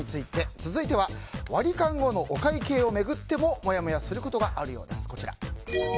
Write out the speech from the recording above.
続いてはワリカン後のお会計を巡ってもモヤモヤすることがあるようです。